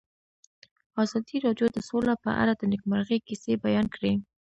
ازادي راډیو د سوله په اړه د نېکمرغۍ کیسې بیان کړې.